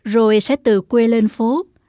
rồi sẽ từ quê lên phố